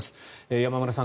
山村さん